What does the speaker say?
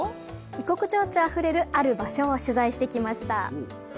異国情緒あふれる、ある場所を取材してきました。